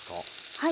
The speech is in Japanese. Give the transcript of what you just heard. はい。